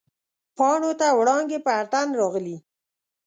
پاڼو ته وړانګې په اتڼ راغلي